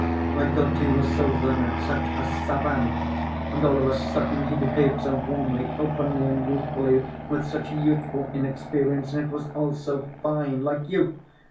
I thought he was so learned, such a savant, and all of a sudden he behaved so warmly, openly, and youthfully, with such youthful inexperience, and it was all so fine, like you....